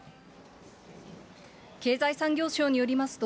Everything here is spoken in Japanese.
経済産業省によりますと、